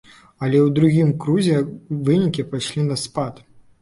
Але ў другім крузе вынікі пайшлі на спад.